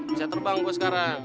bisa terbang gue sekarang